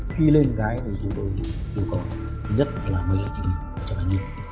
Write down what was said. khi lên cái thì chúng tôi đều có nhất là một mươi lợi trị cho bản nhiệm